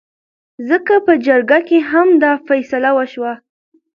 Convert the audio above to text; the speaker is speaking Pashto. ځکه په جرګه کې هم دا فيصله وشوه